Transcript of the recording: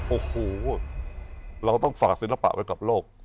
โอ้โหเราต้องฝากศิลปะไว้กับโลก